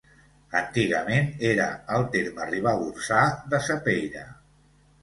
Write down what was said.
Antigament era al terme ribagorçà de Sapeira.